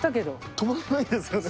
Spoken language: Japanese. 止まらないですよね。